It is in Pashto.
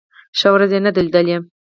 ښه ورځ نه ده لېدلې.